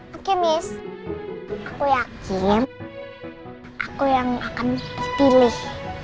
oke miss aku yakin aku yang akan dipilih